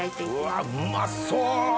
うわうまそう！